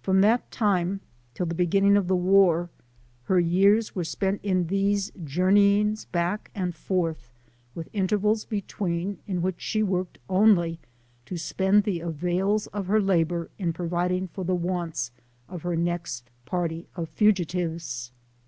From that time till the be^innin^ of the war O O her years were spent in these journeyings back and forth, with intervals between, in which she worked only to spend the avails of her labor in providing "for the wants of her pext party of fugitives.